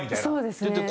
そうですね。